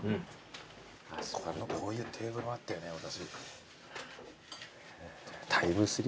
このこういうテーブルもあったよね昔。